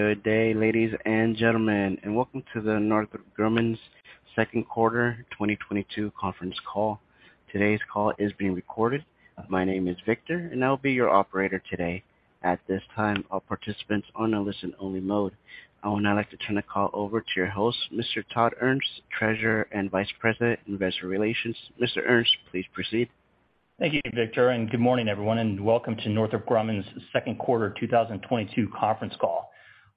Good day, ladies and gentlemen, and welcome to the Northrop Grumman's second quarter 2022 conference call. Today's call is being recorded. My name is Victor, and I will be your operator today. At this time, all participants are on a listen-only mode. I would now like to turn the call over to your host, Mr. Todd Ernst, Treasurer and Vice President, Investor Relations. Mr. Ernst, please proceed. Thank you, Victor, and good morning, everyone, and welcome to Northrop Grumman's second quarter 2022 conference call.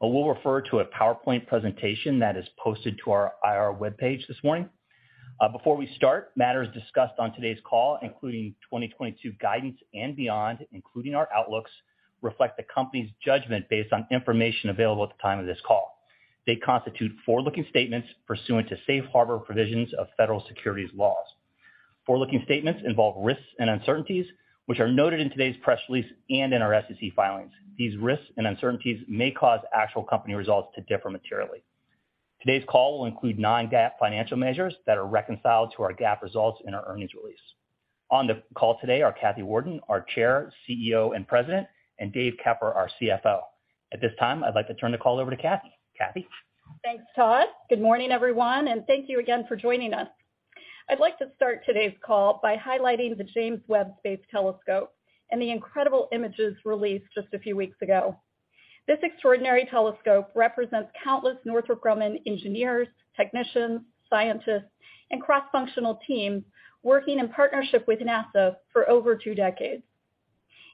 I will refer to a PowerPoint presentation that is posted to our IR webpage this morning. Before we start, matters discussed on today's call, including 2022 guidance and beyond, including our outlooks, reflect the company's judgment based on information available at the time of this call. They constitute forward-looking statements pursuant to safe harbor provisions of federal securities laws. Forward-looking statements involve risks and uncertainties which are noted in today's press release and in our SEC filings. These risks and uncertainties may cause actual company results to differ materially. Today's call will include non-GAAP financial measures that are reconciled to our GAAP results in our earnings release. On the call today are Kathy Warden, our Chair, CEO, and President, and Dave Keffer, our CFO. At this time, I'd like to turn the call over to Kathy. Kathy? Thanks, Todd. Good morning, everyone, and thank you again for joining us. I'd like to start today's call by highlighting the James Webb Space Telescope and the incredible images released just a few weeks ago. This extraordinary telescope represents countless Northrop Grumman engineers, technicians, scientists, and cross-functional teams working in partnership with NASA for over two decades.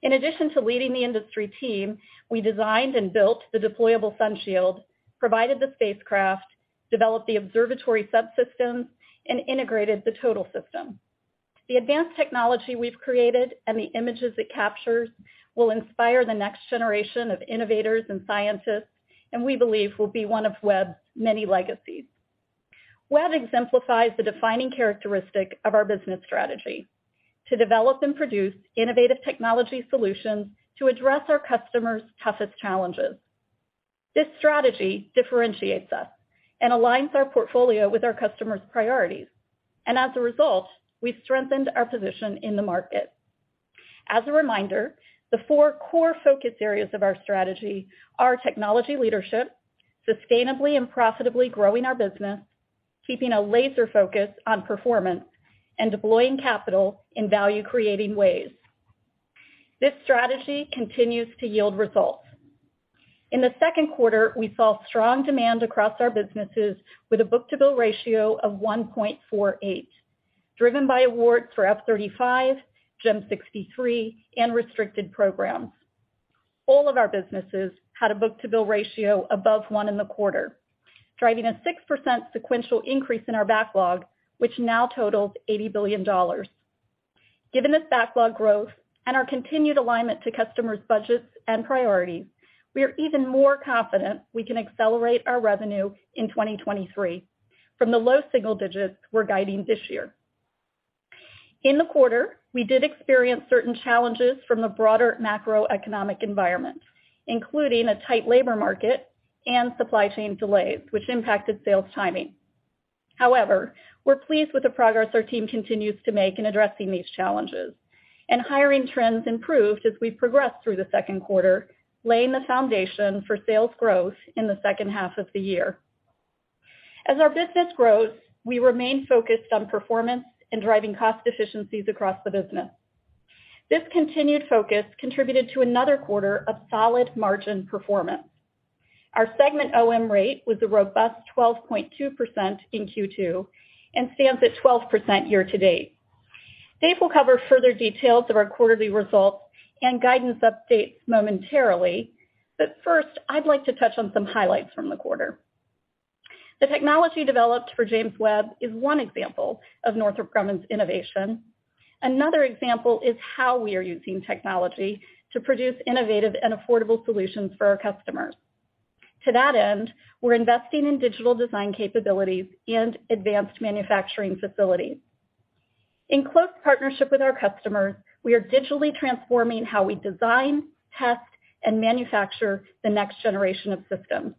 In addition to leading the industry team, we designed and built the deployable sunshield, provided the spacecraft, developed the observatory subsystems, and integrated the total system. The advanced technology we've created and the images it captures will inspire the next generation of innovators and scientists, and we believe will be one of Webb's many legacies. Webb exemplifies the defining characteristic of our business strategy, to develop and produce innovative technology solutions to address our customers' toughest challenges. This strategy differentiates us and aligns our portfolio with our customers' priorities. As a result, we've strengthened our position in the market. As a reminder, the four core focus areas of our strategy are technology leadership, sustainably and profitably growing our business, keeping a laser focus on performance, and deploying capital in value-creating ways. This strategy continues to yield results. In the second quarter, we saw strong demand across our businesses with a book-to-bill ratio of 1.48, driven by awards for F-35, GEM 63, and restricted programs. All of our businesses had a book-to-bill ratio above one in the quarter, driving a 6% sequential increase in our backlog, which now totals $80 billion. Given this backlog growth and our continued alignment to customers' budgets and priorities, we are even more confident we can accelerate our revenue in 2023 from the low single digits we're guiding this year. In the quarter, we did experience certain challenges from the broader macroeconomic environment, including a tight labor market and supply chain delays, which impacted sales timing. However, we're pleased with the progress our team continues to make in addressing these challenges. Hiring trends improved as we progressed through the second quarter, laying the foundation for sales growth in the H2 of the year. As our business grows, we remain focused on performance and driving cost efficiencies across the business. This continued focus contributed to another quarter of solid margin performance. Our segment OM rate was a robust 12.2% in Q2 and stands at 12% year-to-date. Dave will cover further details of our quarterly results and guidance updates momentarily, but first, I'd like to touch on some highlights from the quarter. The technology developed for James Webb is one example of Northrop Grumman's innovation. Another example is how we are using technology to produce innovative and affordable solutions for our customers. To that end, we're investing in digital design capabilities and advanced manufacturing facilities. In close partnership with our customers, we are digitally transforming how we design, test, and manufacture the next generation of systems.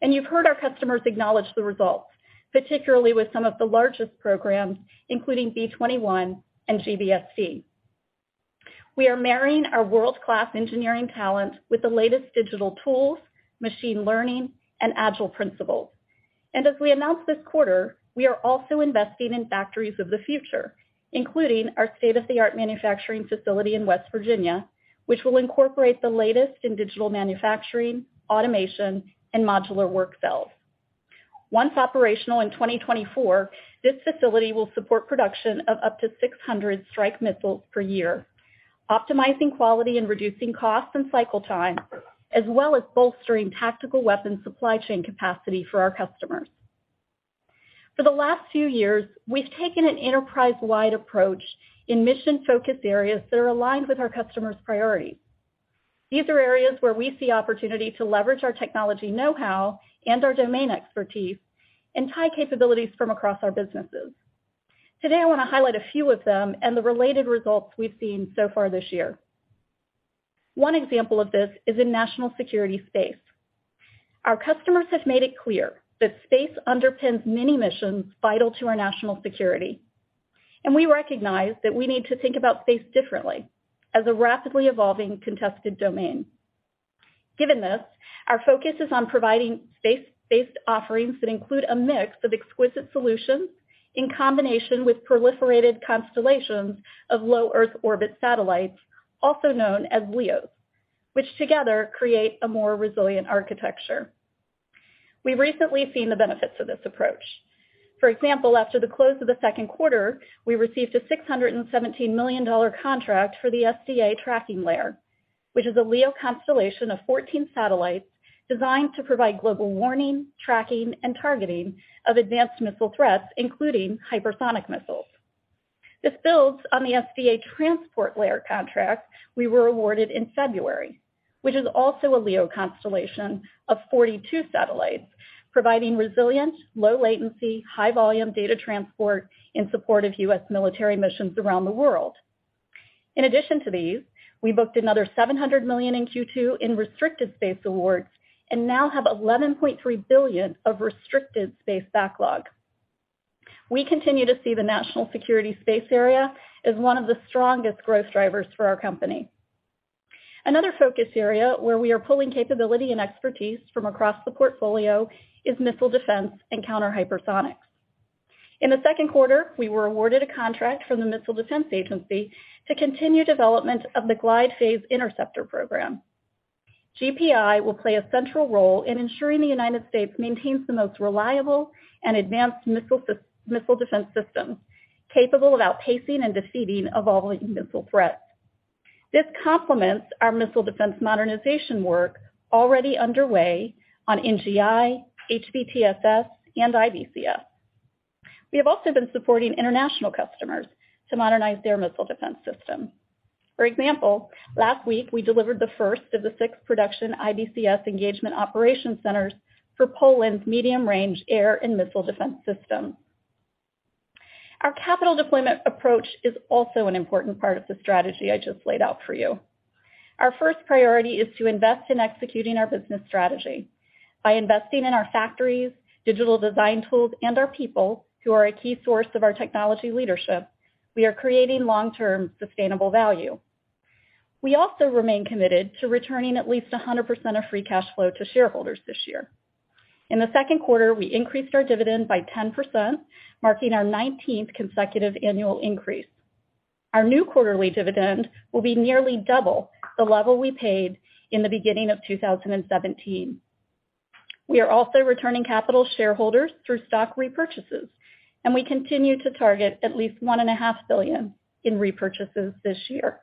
You've heard our customers acknowledge the results, particularly with some of the largest programs, including B-21 and GBSD. We are marrying our world-class engineering talent with the latest digital tools, machine learning, and agile principles. As we announced this quarter, we are also investing in factories of the future, including our state-of-the-art manufacturing facility in West Virginia, which will incorporate the latest in digital manufacturing, automation, and modular work cells. Once operational in 2024, this facility will support production of up to 600 strike missiles per year, optimizing quality and reducing costs and cycle time, as well as bolstering tactical weapons supply chain capacity for our customers. For the last few years, we've taken an enterprise-wide approach in mission-focused areas that are aligned with our customers' priorities. These are areas where we see opportunity to leverage our technology know-how and our domain expertise and tie capabilities from across our businesses. Today, I wanna highlight a few of them and the related results we've seen so far this year. One example of this is in national security space. Our customers have made it clear that space underpins many missions vital to our national security. We recognize that we need to think about space differently as a rapidly evolving contested domain. Given this, our focus is on providing space-based offerings that include a mix of exquisite solutions in combination with proliferated constellations of low Earth orbit satellites, also known as LEOs, which together create a more resilient architecture. We've recently seen the benefits of this approach. For example, after the close of the second quarter, we received a $617 million contract for the SDA Tracking Layer, which is a LEO constellation of 14 satellites designed to provide global warning, tracking, and targeting of advanced missile threats, including hypersonic missiles. This builds on the SDA Transport Layer contract we were awarded in February, which is also a LEO constellation of 42 satellites, providing resilient, low latency, high volume data transport in support of U.S. military missions around the world. In addition to these, we booked another $700 million in Q2 in restricted space awards and now have $11.3 billion of restricted space backlog. We continue to see the national security space area as one of the strongest growth drivers for our company. Another focus area where we are pulling capability and expertise from across the portfolio is missile defense and counter-hypersonics. In the second quarter, we were awarded a contract from the Missile Defense Agency to continue development of the Glide Phase Interceptor program. GPI will play a central role in ensuring the United States maintains the most reliable and advanced missile defense system capable of outpacing and defeating evolving missile threats. This complements our missile defense modernization work already underway on NGI, HBTSS, and IBCS. We have also been supporting international customers to modernize their missile defense system. For example, last week, we delivered the first of the six production IBCS engagement operation centers for Poland's medium-range air and missile defense system. Our capital deployment approach is also an important part of the strategy I just laid out for you. Our first priority is to invest in executing our business strategy. By investing in our factories, digital design tools, and our people who are a key source of our technology leadership, we are creating long-term sustainable value. We also remain committed to returning at least 100% of free cash flow to shareholders this year. In the second quarter, we increased our dividend by 10%, marking our nineteenth consecutive annual increase. Our new quarterly dividend will be nearly double the level we paid in the beginning of 2017. We are also returning capital shareholders through stock repurchases, and we continue to target at least $1.5 billion in repurchases this year.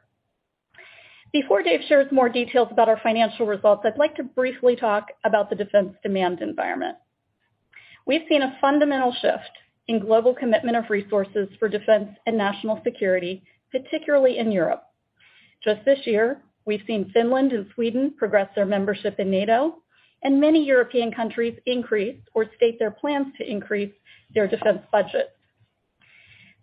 Before Dave shares more details about our financial results, I'd like to briefly talk about the defense demand environment. We've seen a fundamental shift in global commitment of resources for defense and national security, particularly in Europe. Just this year, we've seen Finland and Sweden progress their membership in NATO, and many European countries increase or state their plans to increase their defense budgets.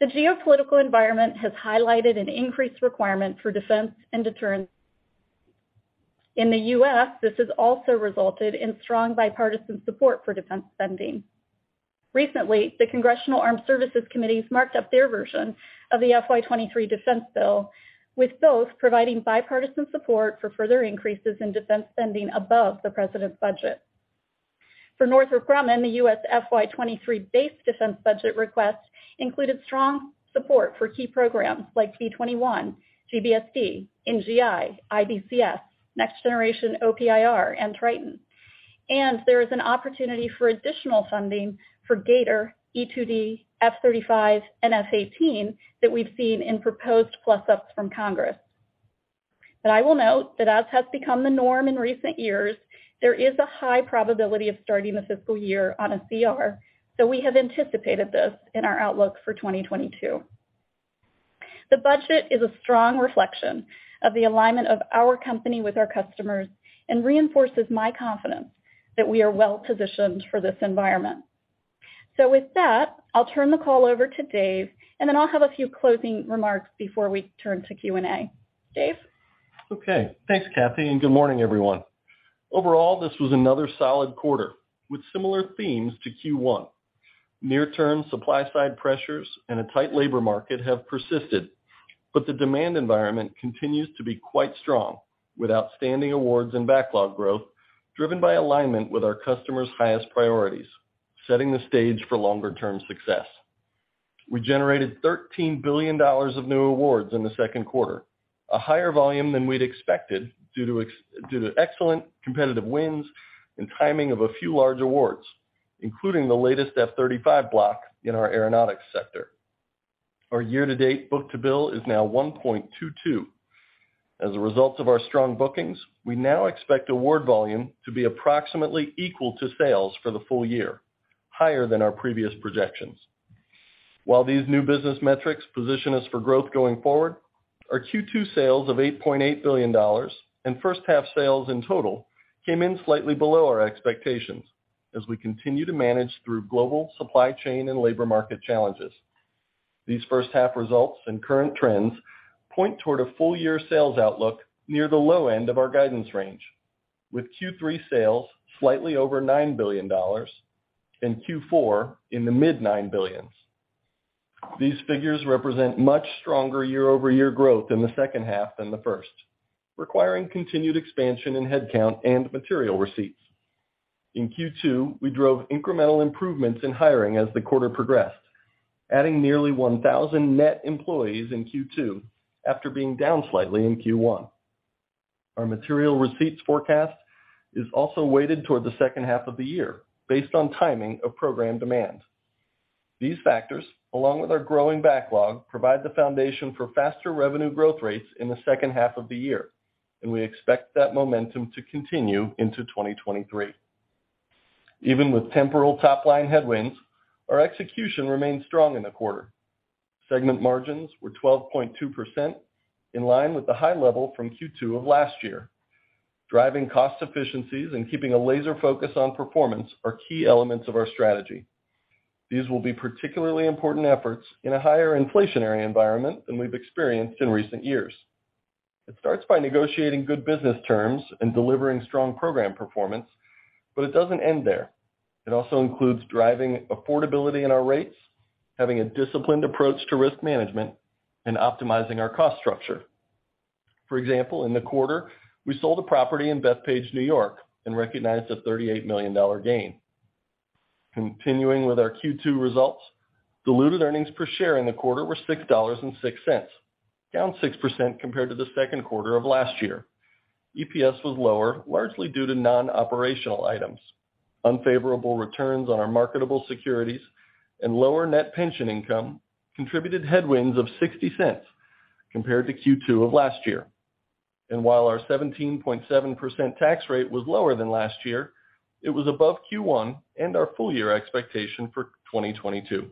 The geopolitical environment has highlighted an increased requirement for defense and deterrence. In the U.S., this has also resulted in strong bipartisan support for defense spending. Recently, the Congressional Armed Services Committees marked up their version of the FY 2023 defense bill, with both providing bipartisan support for further increases in defense spending above the president's budget. For Northrop Grumman, the U.S. FY 2023 base defense budget request included strong support for key programs like B-21, GBSD, NGI, IBCS, Next Generation OPIR, and Triton. There is an opportunity for additional funding for G/ATOR, E-2D, F-35, and F-18 that we've seen in proposed plus-ups from Congress. I will note that as has become the norm in recent years, there is a high probability of starting the fiscal year on a CR, so we have anticipated this in our outlook for 2022. The budget is a strong reflection of the alignment of our company with our customers and reinforces my confidence that we are well-positioned for this environment. With that, I'll turn the call over to Dave, and then I'll have a few closing remarks before we turn to Q&A. Dave? Okay. Thanks, Kathy, and good morning, everyone. Overall, this was another solid quarter with similar themes to Q1. Near-term supply-side pressures and a tight labor market have persisted, but the demand environment continues to be quite strong with outstanding awards and backlog growth driven by alignment with our customers' highest priorities, setting the stage for longer-term success. We generated $13 billion of new awards in the second quarter, a higher volume than we'd expected due to excellent competitive wins and timing of a few large awards, including the latest F-35 block in our aeronautics sector. Our year-to-date book-to-bill is now 1.22. As a result of our strong bookings, we now expect award volume to be approximately equal to sales for the full year, higher than our previous projections. While these new business metrics position us for growth going forward, our Q2 sales of $8.8 billion and H1 sales in total came in slightly below our expectations as we continue to manage through global supply chain and labor market challenges. These H1 results and current trends point toward a full-year sales outlook near the low end of our guidance range. With Q3 sales slightly over $9 billion and Q4 in the mid-$9 billions. These figures represent much stronger year-over-year growth in the H2 than the first, requiring continued expansion in headcount and material receipts. In Q2, we drove incremental improvements in hiring as the quarter progressed, adding nearly 1,000 net employees in Q2 after being down slightly in Q1. Our material receipts forecast is also weighted toward the H2 of the year based on timing of program demand. These factors, along with our growing backlog, provide the foundation for faster revenue growth rates in the H2 of the year, and we expect that momentum to continue into 2023. Even with temporal top-line headwinds, our execution remained strong in the quarter. Segment margins were 12.2%, in line with the high level from Q2 of last year. Driving cost efficiencies and keeping a laser focus on performance are key elements of our strategy. These will be particularly important efforts in a higher inflationary environment than we've experienced in recent years. It starts by negotiating good business terms and delivering strong program performance, but it doesn't end there. It also includes driving affordability in our rates, having a disciplined approach to risk management, and optimizing our cost structure. For example, in the quarter, we sold a property in Bethpage, New York, and recognized a $38 million gain. Continuing with our Q2 results, diluted earnings per share in the quarter were $6.06, down 6% compared to the second quarter of last year. EPS was lower, largely due to non-operational items. Unfavorable returns on our marketable securities and lower net pension income contributed headwinds of $0.60 compared to Q2 of last year. While our 17.7% tax rate was lower than last year, it was above Q1 and our full-year expectation for 2022.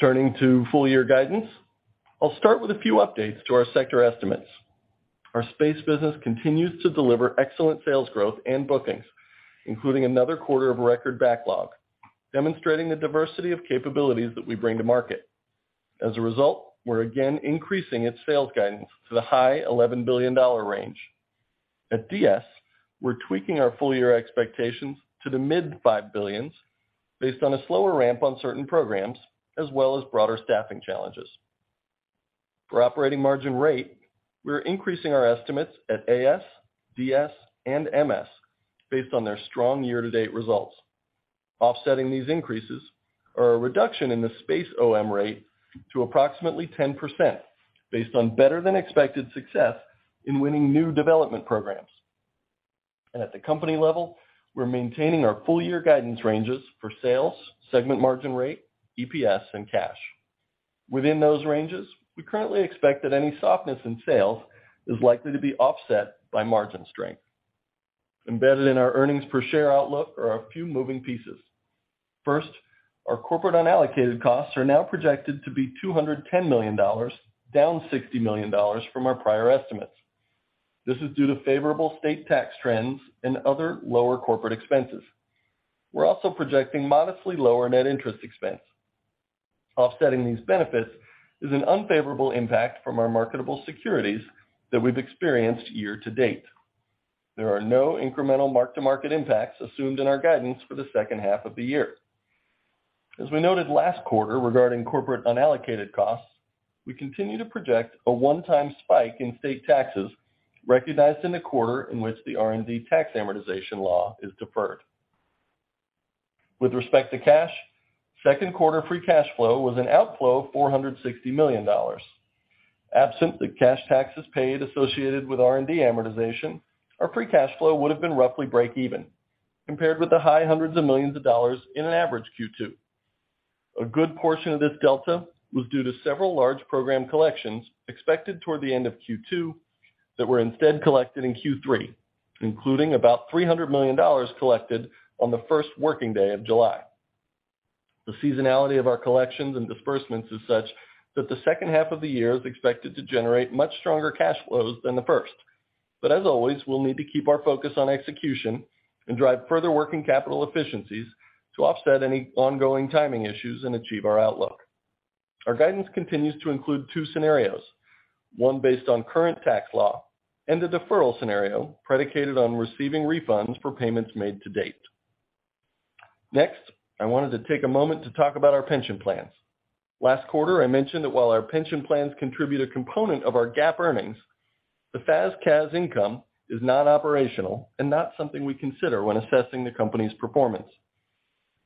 Turning to full-year guidance, I'll start with a few updates to our sector estimates. Our Space business continues to deliver excellent sales growth and bookings, including another quarter of record backlog, demonstrating the diversity of capabilities that we bring to market. As a result, we're again increasing its sales guidance to the high $11 billion range. At DS, we're tweaking our full-year expectations to the mid-$5 billion based on a slower ramp on certain programs, as well as broader staffing challenges. For operating margin rate, we're increasing our estimates at AS, DS, and MS based on their strong year-to-date results. Offsetting these increases are a reduction in the Space OM rate to approximately 10% based on better-than-expected success in winning new development programs. At the company level, we're maintaining our full-year guidance ranges for sales, segment margin rate, EPS, and cash. Within those ranges, we currently expect that any softness in sales is likely to be offset by margin strength. Embedded in our earnings per share outlook are a few moving pieces. First, our corporate unallocated costs are now projected to be $210 million, down $60 million from our prior estimates. This is due to favorable state tax trends and other lower corporate expenses. We're also projecting modestly lower net interest expense. Offsetting these benefits is an unfavorable impact from our marketable securities that we've experienced year-to-date. There are no incremental mark-to-market impacts assumed in our guidance for the H2 of the year. As we noted last quarter regarding corporate unallocated costs, we continue to project a one-time spike in state taxes recognized in the quarter in which the R&D tax amortization law is deferred. With respect to cash, second quarter free cash flow was an outflow of $460 million. Absent the cash taxes paid associated with R&D amortization, our free cash flow would have been roughly break even compared with $ in the high hundreds of millions in an average Q2. A good portion of this delta was due to several large program collections expected toward the end of Q2 that were instead collected in Q3, including about $300 million collected on the first working day of July. The seasonality of our collections and disbursements is such that the H2 of the year is expected to generate much stronger cash flows than the first. As always, we'll need to keep our focus on execution and drive further working capital efficiencies to offset any ongoing timing issues and achieve our outlook. Our guidance continues to include two scenarios, one based on current tax law and a deferral scenario predicated on receiving refunds for payments made to date. Next, I wanted to take a moment to talk about our pension plans. Last quarter, I mentioned that while our pension plans contribute a component of our GAAP earnings, the FAS/CAS income is non-operational and not something we consider when assessing the company's performance.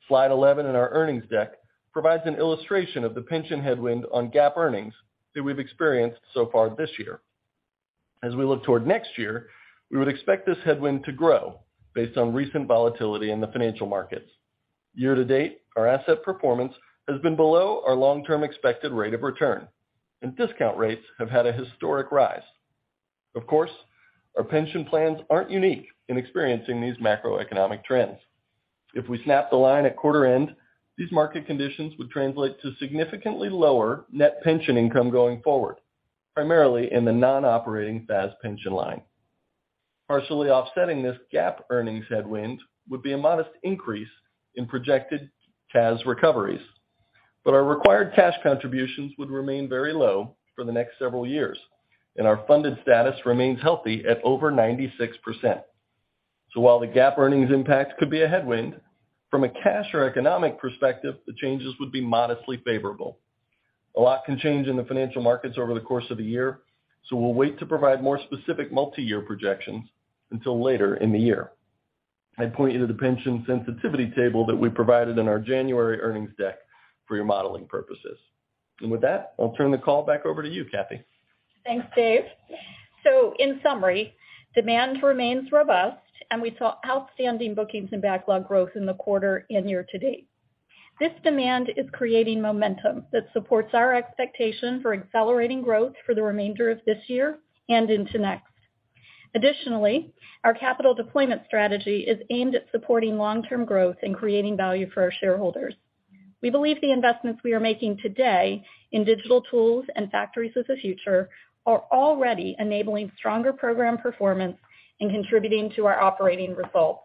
Slide 11 in our earnings deck provides an illustration of the pension headwind on GAAP earnings that we've experienced so far this year. As we look toward next year, we would expect this headwind to grow based on recent volatility in the financial markets. Year-to-date, our asset performance has been below our long-term expected rate of return, and discount rates have had a historic rise. Of course, our pension plans aren't unique in experiencing these macroeconomic trends. If we snap the line at quarter end, these market conditions would translate to significantly lower net pension income going forward, primarily in the non-operating FAS pension line. Partially offsetting this GAAP earnings headwind would be a modest increase in projected CAS recoveries. Our required cash contributions would remain very low for the next several years, and our funded status remains healthy at over 96%. While the GAAP earnings impact could be a headwind, from a cash or economic perspective, the changes would be modestly favorable. A lot can change in the financial markets over the course of the year, so we'll wait to provide more specific multi-year projections until later in the year. I'd point you to the pension sensitivity table that we provided in our January earnings deck for your modeling purposes. With that, I'll turn the call back over to you, Kathy. Thanks, Dave. In summary, demand remains robust, and we saw outstanding bookings and backlog growth in the quarter and year to date. This demand is creating momentum that supports our expectation for accelerating growth for the remainder of this year and into next. Additionally, our capital deployment strategy is aimed at supporting long-term growth and creating value for our shareholders. We believe the investments we are making today in digital tools and factories of the future are already enabling stronger program performance and contributing to our operating results.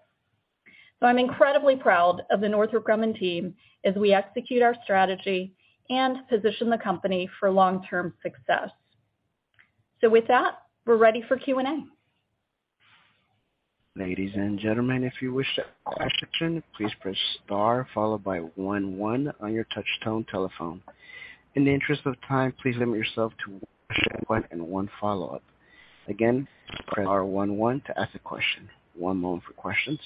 I'm incredibly proud of the Northrop Grumman team as we execute our strategy and position the company for long-term success. With that, we're ready for Q&A. Ladies and gentlemen, if you wish to ask a question, please press star followed by one on your touchtone telephone. In the interest of time, please limit yourself to one question and one follow-up. Again, press star one to ask a question. One moment for questions.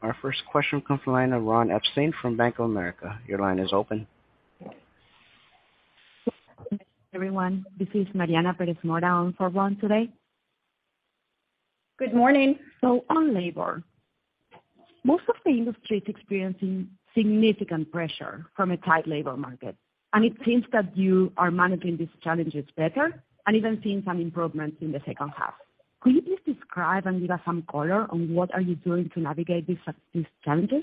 Our first question comes from the line of Ron Epstein from Bank of America. Your line is open. Everyone, this is Mariana Perez Mora on for Ron today. Good morning. On labor, most of the industry is experiencing significant pressure from a tight labor market, and it seems that you are managing these challenges better and even seeing some improvements in the H2. Could you please describe and give us some color on what are you doing to navigate these challenges?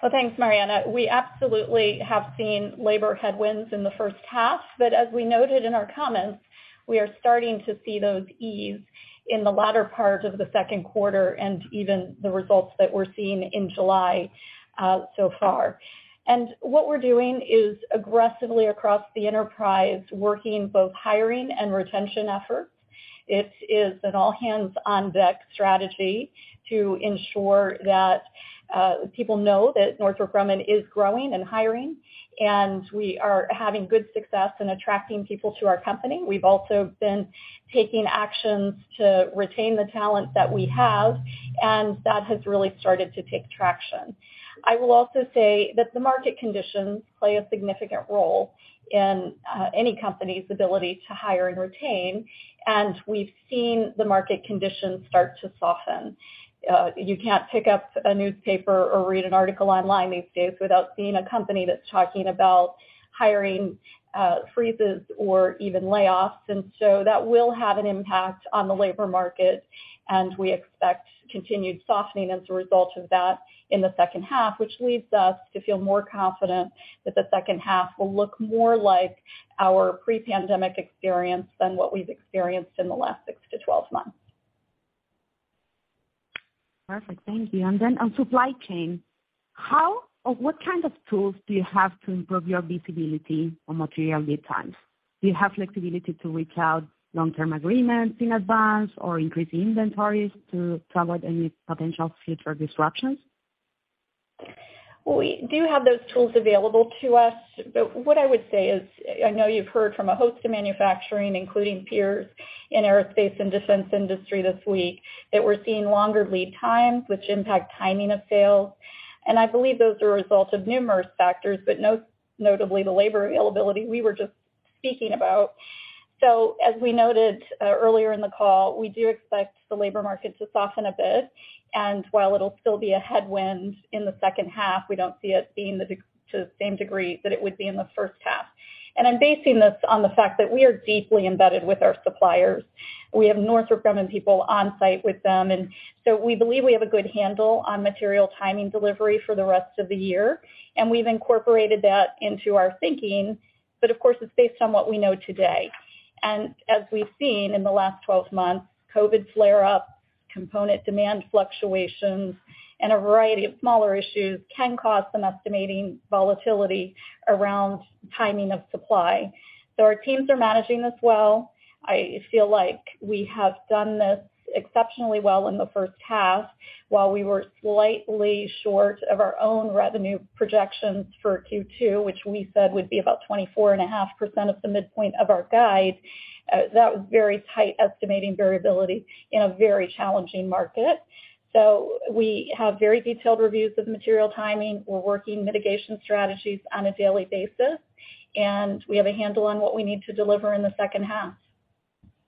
Well, thanks, Mariana. We absolutely have seen labor headwinds in the H1, but as we noted in our comments, we are starting to see those ease in the latter part of the second quarter and even the results that we're seeing in July, so far. What we're doing is aggressively across the enterprise, working both hiring and retention efforts. It is an all hands on deck strategy to ensure that people know that Northrop Grumman is growing and hiring, and we are having good success in attracting people to our company. We've also been taking actions to retain the talent that we have, and that has really started to take traction. I will also say that the market conditions play a significant role in any company's ability to hire and retain, and we've seen the market conditions start to soften. You can't pick up a newspaper or read an article online these days without seeing a company that's talking about hiring freezes or even layoffs. That will have an impact on the labor market, and we expect continued softening as a result of that in the H2, which leads us to feel more confident that the H2 will look more like our pre-pandemic experience than what we've experienced in the last six to 12 months. Perfect. Thank you. On supply chain, how or what kind of tools do you have to improve your visibility on material lead times? Do you have flexibility to reach out long-term agreements in advance or increase inventories to cover any potential future disruptions? Well, we do have those tools available to us. What I would say is, I know you've heard from a host of manufacturing, including peers in aerospace and defense industry this week, that we're seeing longer lead times, which impact timing of sales. I believe those are a result of numerous factors, but notably the labor availability we were just speaking about. As we noted, earlier in the call, we do expect the labor market to soften a bit. While it'll still be a headwind in the H2, we don't see it being to the same degree that it would be in the H1. I'm basing this on the fact that we are deeply embedded with our suppliers. We have Northrop Grumman people on site with them, and so we believe we have a good handle on material timing delivery for the rest of the year, and we've incorporated that into our thinking. Of course, it's based on what we know today. As we've seen in the last 12 months, COVID flare-ups, component demand fluctuations, and a variety of smaller issues can cause some estimating volatility around timing of supply. Our teams are managing this well. I feel like we have done this exceptionally well in the H1. While we were slightly short of our own revenue projections for Q2, which we said would be about 24.5% of the midpoint of our guide, that was very tight estimating variability in a very challenging market. We have very detailed reviews of material timing. We're working mitigation strategies on a daily basis, and we have a handle on what we need to deliver in the H2.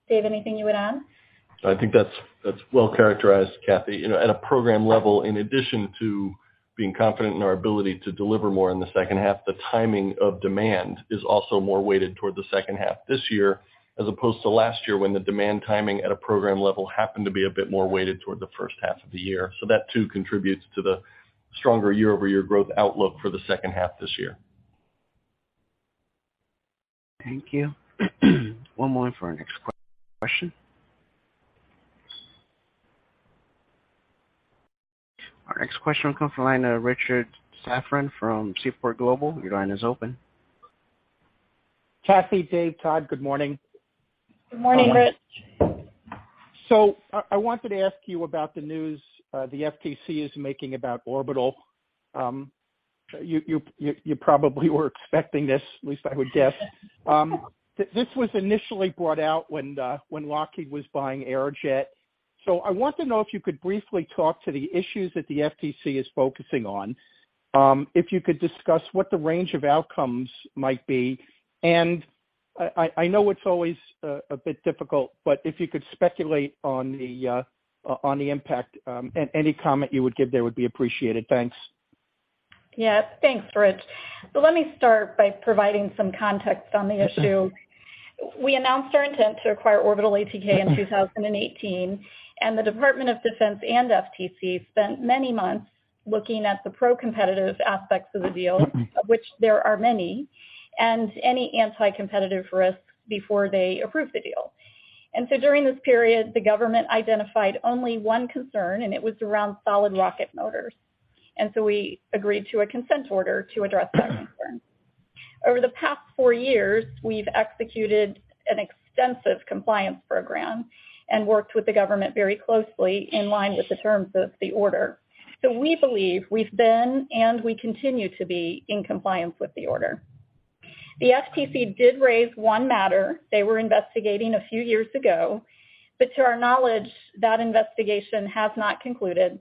Dave, anything you would add? I think that's well characterized, Kathy. You know, at a program level, in addition to being confident in our ability to deliver more in the H2, the timing of demand is also more weighted toward the H2 this year as opposed to last year when the demand timing at a program level happened to be a bit more weighted toward the H1 of the year. That too contributes to the stronger year-over-year growth outlook for the H2 this year. Thank you. One moment for our next question. Our next question will come from the line of Richard Safran from Seaport Global. Your line is open. Kathy, Dave, Todd, good morning. Good morning, Rich. I wanted to ask you about the news the FTC is making about Orbital. You probably were expecting this, at least I would guess. This was initially brought out when Lockheed was buying Aerojet. I want to know if you could briefly talk to the issues that the FTC is focusing on. If you could discuss what the range of outcomes might be. I know it's always a bit difficult, but if you could speculate on the impact, any comment you would give there would be appreciated. Thanks. Yeah. Thanks, Rich. Let me start by providing some context on the issue. We announced our intent to acquire Orbital ATK in 2018, and the Department of Defense and FTC spent many months looking at the pro-competitive aspects of the deal, of which there are many, and any anti-competitive risks before they approved the deal. During this period, the government identified only one concern, and it was around solid rocket motors. We agreed to a consent order to address that concern. Over the past four years, we've executed an extensive compliance program and worked with the government very closely in line with the terms of the order. We believe we've been, and we continue to be, in compliance with the order. The FTC did raise one matter they were investigating a few years ago, but to our knowledge, that investigation has not concluded.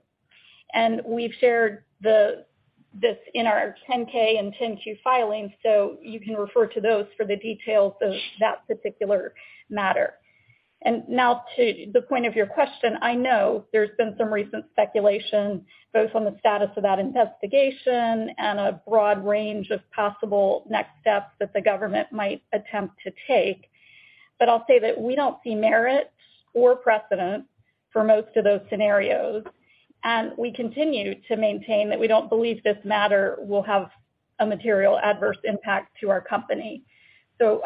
We've shared this in our 10-K and 10-Q filings, so you can refer to those for the details of that particular matter. Now to the point of your question, I know there's been some recent speculation, both on the status of that investigation and a broad range of possible next steps that the government might attempt to take. But I'll say that we don't see merit or precedent for most of those scenarios, and we continue to maintain that we don't believe this matter will have a material adverse impact to our company.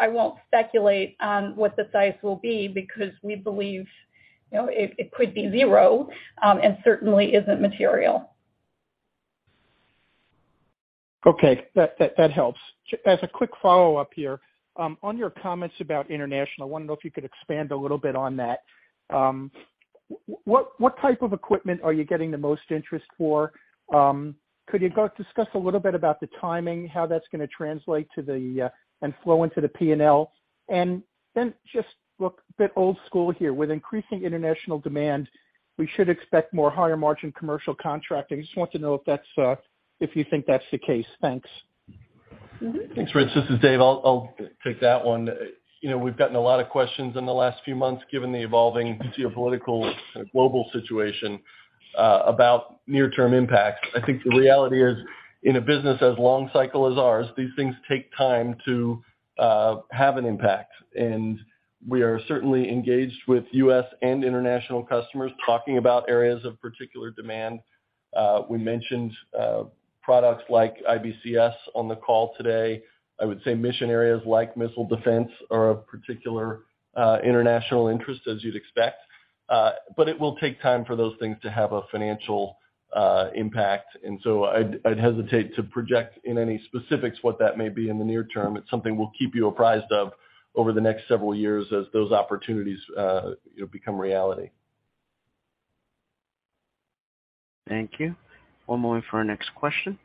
I won't speculate on what the size will be because we believe, you know, it could be zero, and certainly isn't material. Okay. That helps. As a quick follow-up here, on your comments about international, I wanted to know if you could expand a little bit on that. What type of equipment are you getting the most interest for? Could you discuss a little bit about the timing, how that's gonna translate into the P&L? Then just look a bit old school here. With increasing international demand, we should expect more higher margin commercial contracting. I just want to know if you think that's the case. Thanks. Mm-hmm. Thanks, Rich. This is Dave. I'll take that one. You know, we've gotten a lot of questions in the last few months, given the evolving geopolitical kind of global situation about near-term impacts. I think the reality is, in a business as long cycle as ours, these things take time to have an impact. We are certainly engaged with U.S. and international customers talking about areas of particular demand. We mentioned products like IBCS on the call today. I would say mission areas like missile defense are of particular international interest as you'd expect. But it will take time for those things to have a financial impact. I'd hesitate to project in any specifics what that may be in the near term. It's something we'll keep you apprised of over the next several years as those opportunities, you know, become reality. Thank you. One moment for our next question.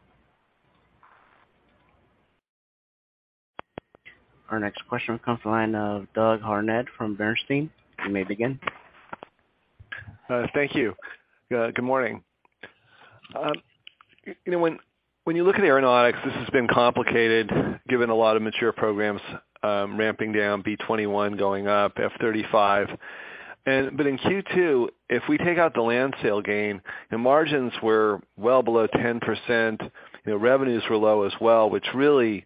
Our next question comes from the line of Doug Harned from AllianceBernstein. You may begin. Thank you. Good morning. You know, when you look at Aeronautics, this has been complicated given a lot of mature programs ramping down, B-21 going Iup, F-35. But in Q2, if we take out the land sale gain, the margins were well below 10%. You know, revenues were low as well, which really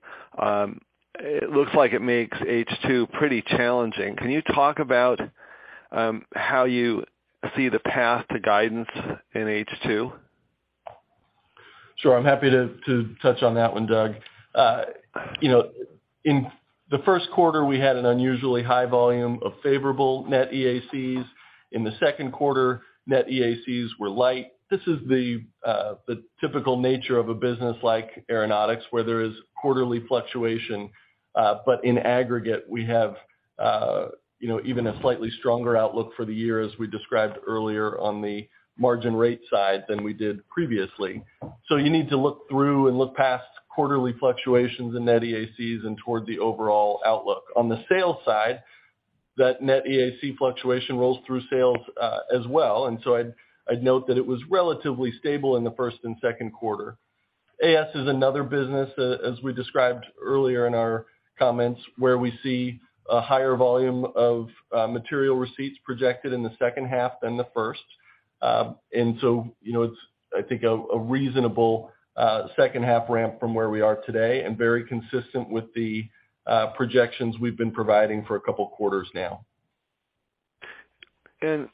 it looks like it makes H2 pretty challenging. Can you talk about how you see the path to guidance in H2? Sure. I'm happy to touch on that one, Doug. You know, in the first quarter, we had an unusually high volume of favorable net EACs. In the second quarter, net EACs were light. This is the typical nature of a business like Aeronautics, where there is quarterly fluctuation. In aggregate, we have, you know, even a slightly stronger outlook for the year, as we described earlier on the margin rate side than we did previously. You need to look through and look past quarterly fluctuations in net EACs and toward the overall outlook. On the sales side, that net EAC fluctuation rolls through sales, as well. I'd note that it was relatively stable in the first and second quarter. AS is another business, as we described earlier in our comments, where we see a higher volume of material receipts projected in the H2 than the first. You know, it's, I think, a reasonable H2 ramp from where we are today and very consistent with the projections we've been providing for a couple quarters now. and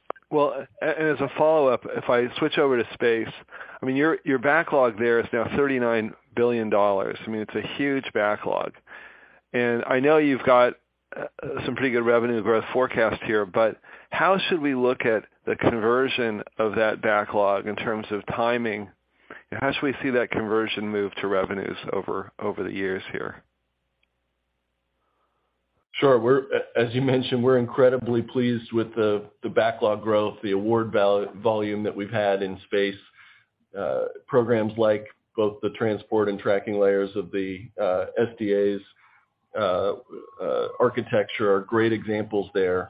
as a follow-up, if I switch over to space, I mean, your backlog there is now $39 billion. I mean, it's a huge backlog. I know you've got some pretty good revenue growth forecast here, but how should we look at the conversion of that backlog in terms of timing? How should we see that conversion move to revenues over the years here? Sure. As you mentioned, we're incredibly pleased with the backlog growth, the award volume that we've had in space. Programs like both the transport and tracking layers of the SDA's architecture are great examples there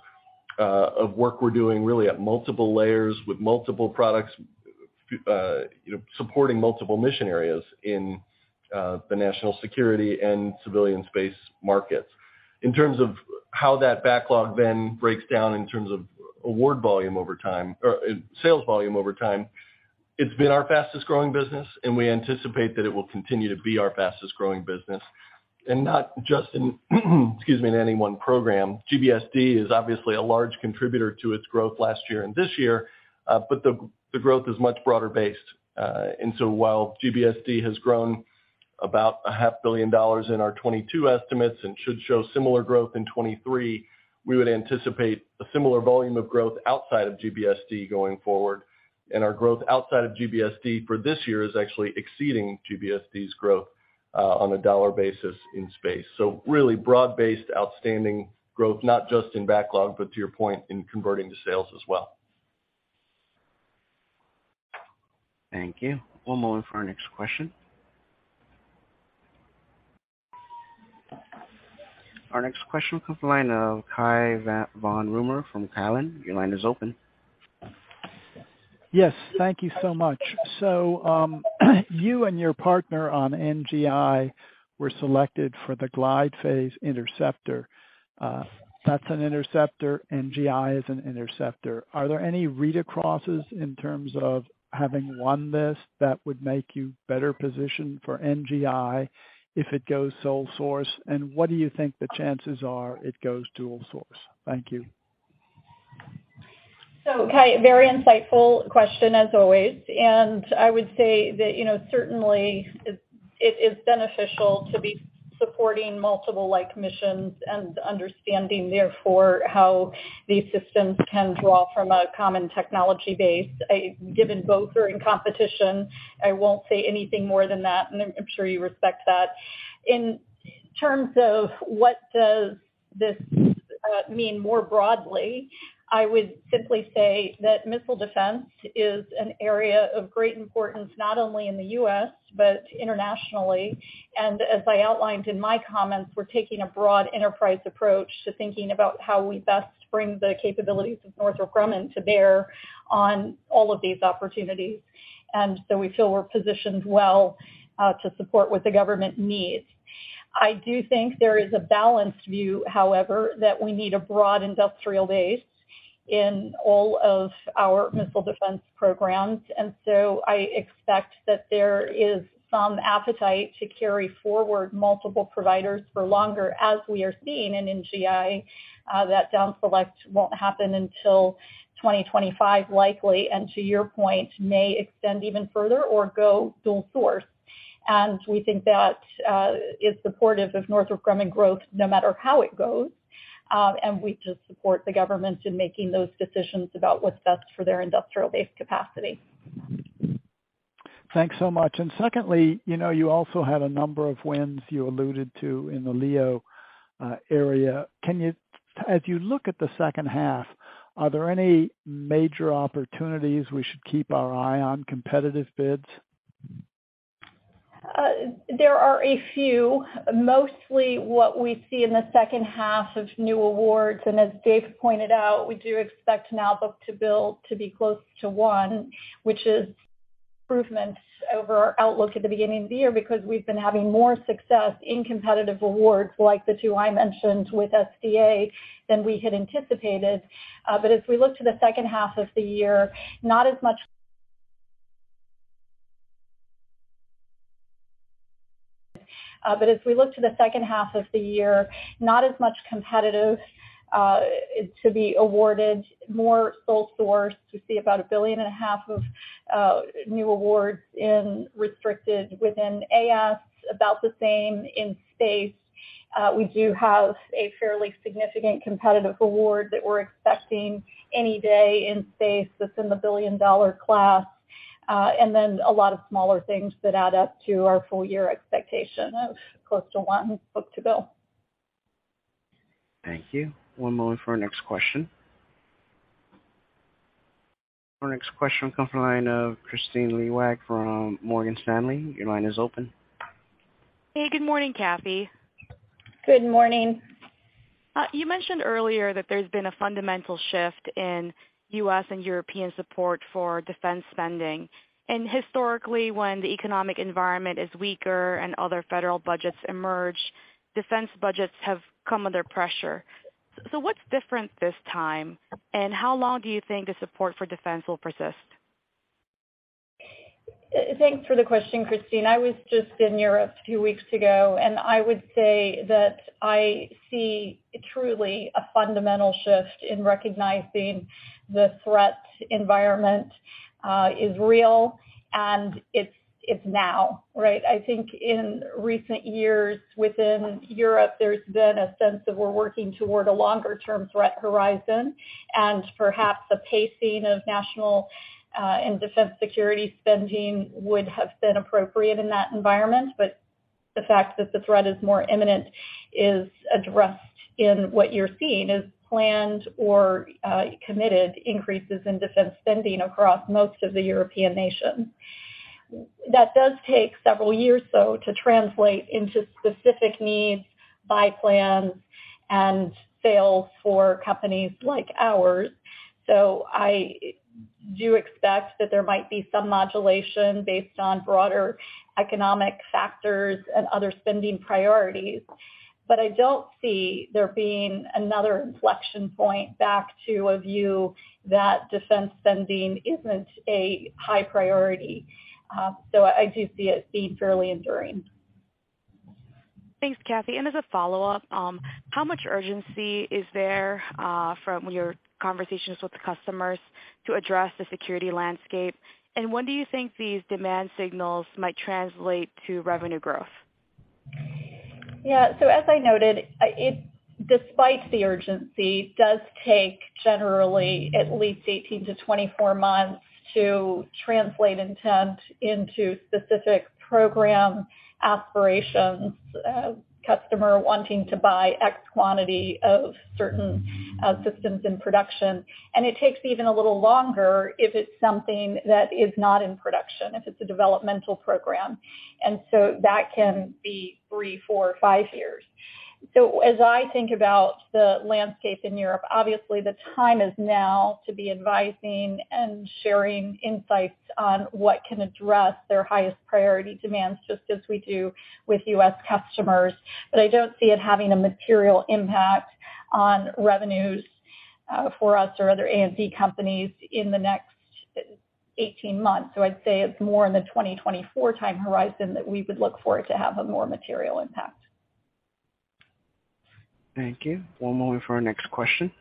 of work we're doing really at multiple layers with multiple products, you know, supporting multiple mission areas in the national security and civilian space markets. In terms of how that backlog then breaks down in terms of award volume over time or sales volume over time, it's been our fastest growing business, and we anticipate that it will continue to be our fastest growing business. Not just in, excuse me, in any one program. Sentinel is obviously a large contributor to its growth last year and this year, but the growth is much broader based. While Sentinel has grown about a $0.5 billion in our 2022 estimates and should show similar growth in 2023, we would anticipate a similar volume of growth outside of Sentinel going forward. Our growth outside of Sentinel for this year is actually exceeding Sentinel's growth, on a dollar basis in space. Really broad-based outstanding growth, not just in backlog, but to your point, in converting to sales as well. Thank you. One moment for our next question. Our next question comes from the line of Cai von Rumohr from Cowen. Your line is open. Yes. Thank you so much. You and your partner on NGI were selected for the Glide Phase Interceptor. That's an interceptor. NGI is an interceptor. Are there any read acrosses in terms of having won this that would make you better positioned for NGI if it goes sole source? And what do you think the chances are it goes dual source? Thank you. Cai, very insightful question as always. I would say that, certainly it is beneficial to be supporting multiple like missions and understanding therefore, how these systems can draw from a common technology base. Given both are in competition, I won't say anything more than that, and I'm sure you respect that. In terms of what does this mean more broadly, I would simply say that missile defense is an area of great importance, not only in the U.S., but internationally. As I outlined in my comments, we're taking a broad enterprise approach to thinking about how we best bring the capabilities of Northrop Grumman to bear on all of these opportunities. We feel we're positioned well to support what the government needs. I do think there is a balanced view, however, that we need a broad industrial base in all of our missile defense programs. I expect that there is some appetite to carry forward multiple providers for longer as we are seeing in NGI, that down select won't happen until 2025 likely, and to your point, may extend even further or go dual source. We think that is supportive of Northrop Grumman growth no matter how it goes. We just support the government in making those decisions about what's best for their industrial base capacity. Thanks so much. Secondly, you know, you also had a number of wins you alluded to in the LEO area. As you look at the H2, are there any major opportunities we should keep an eye on competitive bids? There are a few. Mostly what we see in the H2 of new awards, and as Dave pointed out, we do expect now book to bill to be close to one, which is improvements over our outlook at the beginning of the year because we've been having more success in competitive awards like the two I mentioned with SDA than we had anticipated. As we look to the H2 of the year, not as much competitive to be awarded, more sole source. We see about $1.5 billion of new awards in restricted within AS, about the same in space. We do have a fairly significant competitive award that we're expecting any day in space that's in the billion-dollar class, and then a lot of smaller things that add up to our full year expectation of close to 1 book-to-bill. Thank you. One moment for our next question. Our next question comes from the line of Kristine Liwag from Morgan Stanley. Your line is open. Hey, good morning, Kathy. Good morning. You mentioned earlier that there's been a fundamental shift in U.S. and European support for defense spending. Historically, when the economic environment is weaker and other federal budgets emerge, defense budgets have come under pressure. What's different this time, and how long do you think the support for defense will persist? Thanks for the question, Kristine. I was just in Europe a few weeks ago, and I would say that I see truly a fundamental shift in recognizing the threat environment is real, and it's now, right? I think in recent years within Europe, there's been a sense that we're working toward a longer-term threat horizon and perhaps a pacing of national and defense security spending would have been appropriate in that environment. The fact that the threat is more imminent is addressed in what you're seeing as planned or committed increases in defense spending across most of the European nations. That does take several years, though, to translate into specific needs, buy plans, and sales for companies like ours. I do expect that there might be some modulation based on broader economic factors and other spending priorities. I don't see there being another inflection point back to a view that defense spending isn't a high priority. I do see it being fairly enduring. Thanks, Kathy. As a follow-up, how much urgency is there, from your conversations with the customers to address the security landscape? When do you think these demand signals might translate to revenue growth? As I noted, despite the urgency, it does take generally at least 18-24 months to translate intent into specific program aspirations, customer wanting to buy X quantity of certain systems in production. It takes even a little longer if it's something that is not in production, if it's a developmental program. That can be three, four, five years. As I think about the landscape in Europe, obviously the time is now to be advising and sharing insights on what can address their highest priority demands just as we do with U.S. customers. I don't see it having a material impact on revenues for us or other A&D companies in the next 18 months. I'd say it's more in the 2024 time horizon that we would look for it to have a more material impact. Thank you. One moment for our next question.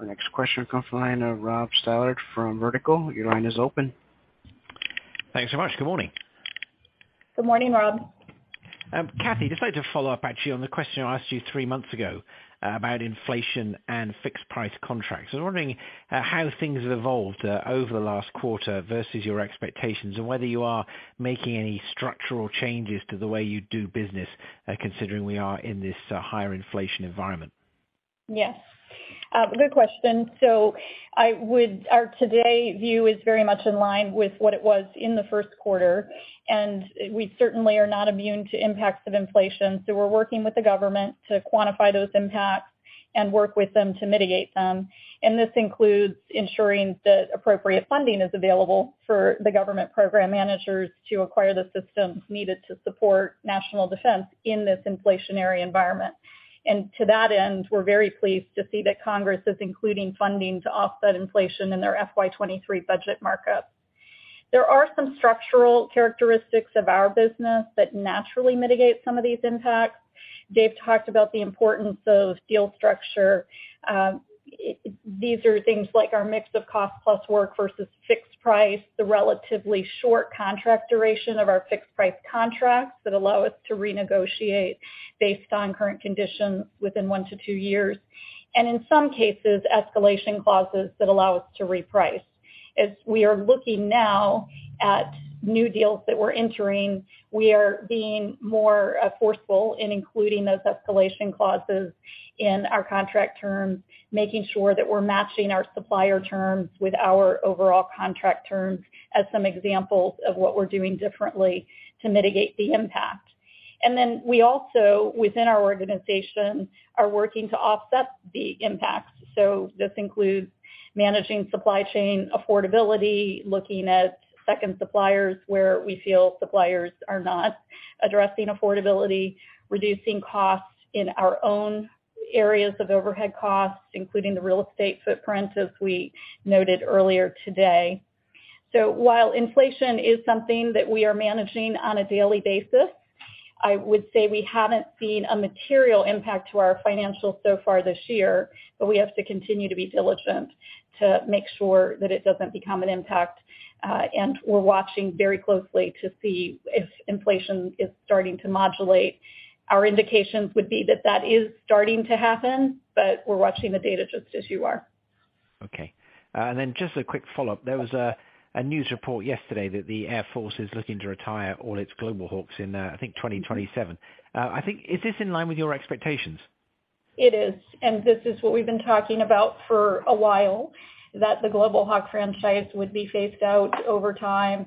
Our next question comes from the line of Rob Stallard from Vertical. Your line is open. Thanks so much. Good morning. Good morning, Rob. Kathy, just like to follow up actually on the question I asked you three months ago about inflation and fixed price contracts. I was wondering how things have evolved over the last quarter versus your expectations, and whether you are making any structural changes to the way you do business considering we are in this higher inflation environment. Yes. Good question. Our to-date view is very much in line with what it was in the first quarter, and we certainly are not immune to impacts of inflation. We're working with the government to quantify those impacts and work with them to mitigate them. This includes ensuring that appropriate funding is available for the government program managers to acquire the systems needed to support national defense in this inflationary environment. To that end, we're very pleased to see that Congress is including funding to offset inflation in their FY 2023 budget markup. There are some structural characteristics of our business that naturally mitigate some of these impacts. Dave talked about the importance of deal structure. These are things like our mix of cost plus work versus fixed price, the relatively short contract duration of our fixed price contracts that allow us to renegotiate based on current conditions within one to two years, and in some cases, escalation clauses that allow us to reprice. As we are looking now at new deals that we're entering, we are being more forceful in including those escalation clauses in our contract terms, making sure that we're matching our supplier terms with our overall contract terms as some examples of what we're doing differently to mitigate the impact. We also, within our organization, are working to offset the impact. This includes managing supply chain affordability, looking at second suppliers where we feel suppliers are not addressing affordability, reducing costs in our own areas of overhead costs, including the real estate footprint, as we noted earlier today. While inflation is something that we are managing on a daily basis, I would say we haven't seen a material impact to our financials so far this year, but we have to continue to be diligent to make sure that it doesn't become an impact. We're watching very closely to see if inflation is starting to modulate. Our indications would be that that is starting to happen, but we're watching the data just as you are. Okay. Just a quick follow-up. There was a news report yesterday that the Air Force is looking to retire all its Global Hawks in, I think 2027. I think is this in line with your expectations? It is. This is what we've been talking about for a while, that the Global Hawk franchise would be phased out over time.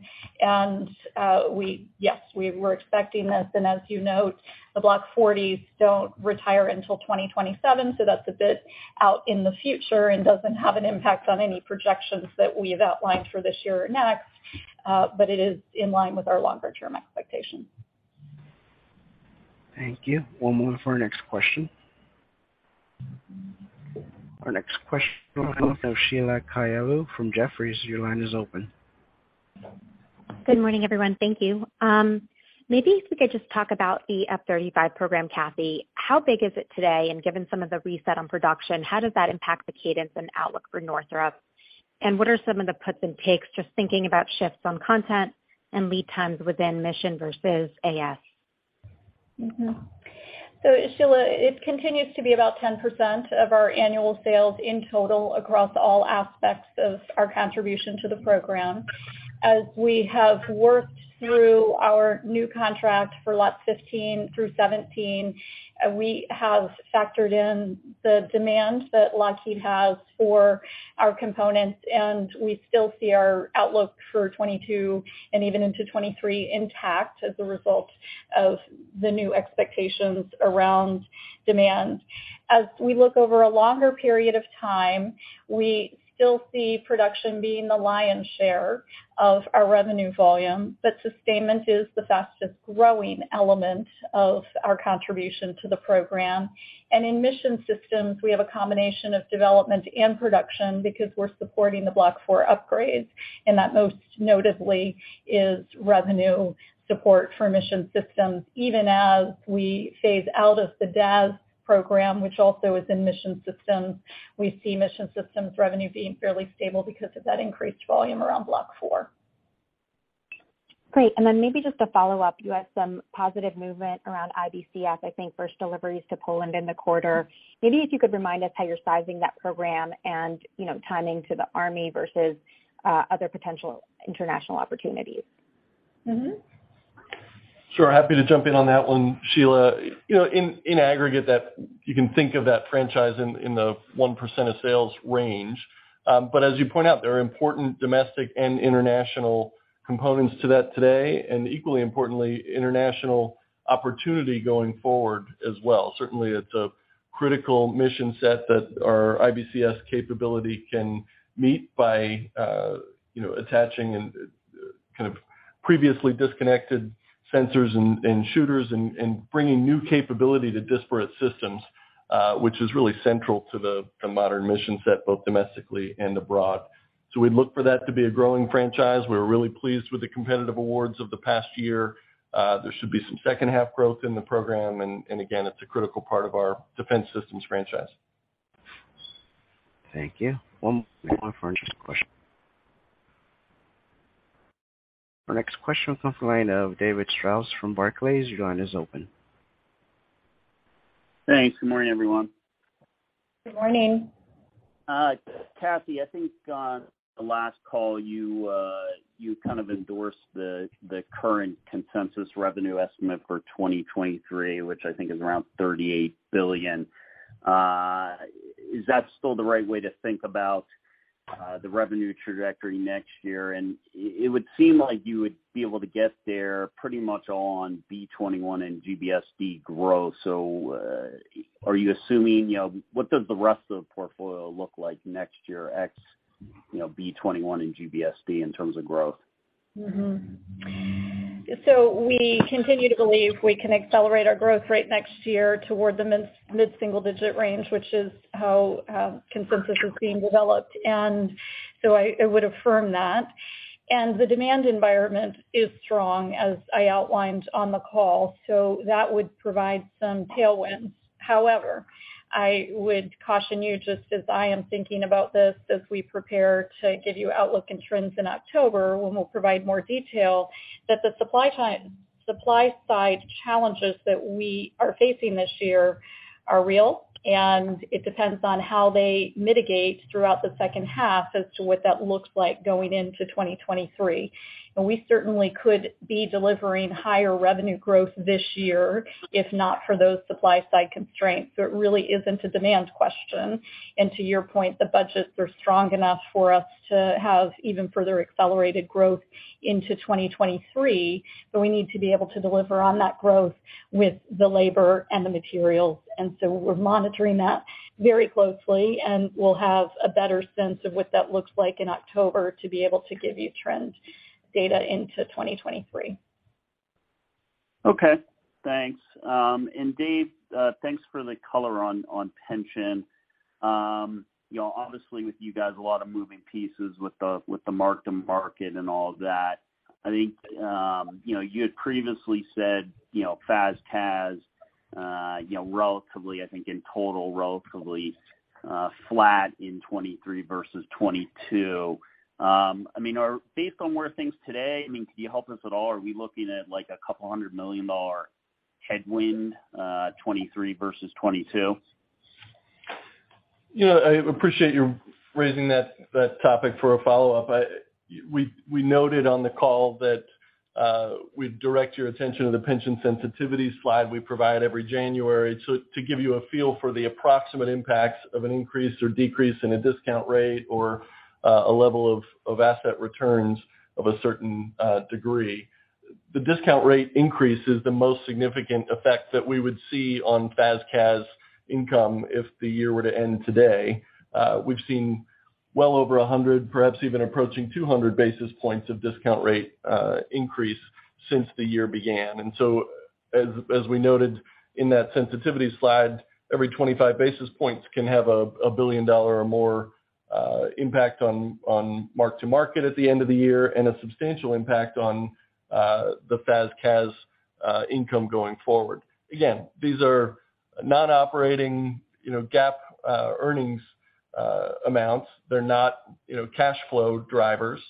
Yes, we were expecting this. As you note, the Block 40s don't retire until 2027, so that's a bit out in the future and doesn't have an impact on any projections that we have outlined for this year or next, but it is in line with our longer-term expectations. Thank you. One moment for our next question. Our next question comes from Sheila Kahyaoglu from Jefferies. Your line is open. Good morning, everyone. Thank you. Maybe if we could just talk about the F-35 program, Kathy. How big is it today? Given some of the reset on production, how does that impact the cadence and outlook for Northrop? What are some of the puts and takes, just thinking about shifts on content and lead times within mission versus AS. Sheila, it continues to be about 10% of our annual sales in total across all aspects of our contribution to the program. As we have worked through our new contract for lots 15 through 17, we have factored in the demand that Lockheed has for our components, and we still see our outlook for 2022 and even into 2023 intact as a result of the new expectations around demand. As we look over a longer period of time, we still see production being the lion's share of our revenue volume, but sustainment is the fastest-growing element of our contribution to the program. In mission systems, we have a combination of development and production because we're supporting the Block 4 upgrades, and that most notably is revenue support for mission systems. Even as we phase out of the DAS program, which also is in Mission Systems, we see Mission Systems revenue being fairly stable because of that increased volume around Block 4. Great. Maybe just a follow-up. You had some positive movement around IBCS. I think first deliveries to Poland in the quarter. Maybe if you could remind us how you're sizing that program and, you know, timing to the Army versus other potential international opportunities. Mm-hmm. Sure. Happy to jump in on that one, Sheila. You know, in aggregate that you can think of that franchise in the 1% of sales range. But as you point out, there are important domestic and international components to that today, and equally importantly, international opportunity going forward as well. Certainly, it's a critical mission set that our IBCS capability can meet by, you know, attaching and kind of previously disconnected sensors and shooters and bringing new capability to disparate systems, which is really central to the modern mission set, both domestically and abroad. We look for that to be a growing franchise. We're really pleased with the competitive awards of the past year. There should be some H2 growth in the program and again, it's a critical part of our defense systems franchise. Thank you. One moment for our next question. Our next question comes from the line of David Strauss from Barclays. Your line is open. Thanks. Good morning, everyone. Good morning. Kathy, I think on the last call, you kind of endorsed the current consensus revenue estimate for 2023, which I think is around $38 billion. Is that still the right way to think about the revenue trajectory next year? It would seem like you would be able to get there pretty much on B-21 and GBSD growth. Are you assuming, you know, what does the rest of the portfolio look like next year, ex, you know, B-21 and GBSD in terms of growth? Mm-hmm. We continue to believe we can accelerate our growth rate next year toward the mid-mid single-digit range, which is how consensus is being developed. I would affirm that. The demand environment is strong, as I outlined on the call, so that would provide some tailwinds. However, I would caution you just as I am thinking about this as we prepare to give you outlook and trends in October, when we'll provide more detail, that the supply side challenges that we are facing this year are real, and it depends on how they mitigate throughout the H2 as to what that looks like going into 2023. We certainly could be delivering higher revenue growth this year, if not for those supply side constraints. It really isn't a demand question. To your point, the budgets are strong enough for us to have even further accelerated growth into 2023, but we need to be able to deliver on that growth with the labor and the materials. We're monitoring that very closely, and we'll have a better sense of what that looks like in October to be able to give you trend data into 2023. Okay, thanks. Dave, thanks for the color on pension. You know, obviously with you guys, a lot of moving pieces with the mark-to-market and all of that. I think you know, you had previously said, you know, FAS, CAS, you know, relatively, I think in total, flat in 2023 versus 2022. I mean, based on where we stand today, I mean, can you help us at all? Are we looking at like a $200 million-dollar headwind, 2023 versus 2022? You know, I appreciate you raising that topic for a follow-up. We noted on the call that we'd direct your attention to the pension sensitivity slide we provide every January to give you a feel for the approximate impacts of an increase or decrease in a discount rate or a level of asset returns of a certain degree. The discount rate increase is the most significant effect that we would see on FAS CAS income if the year were to end today. We've seen well over 100, perhaps even approaching 200 basis points of discount rate increase since the year began. As we noted in that sensitivity slide, every 25 basis points can have a billion-dollar or more impact on mark to market at the end of the year, and a substantial impact on the FAS/CAS income going forward. Again, these are non-operating, you know, GAAP earnings amounts. They're not, you know, cash flow drivers.